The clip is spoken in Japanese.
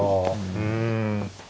うん。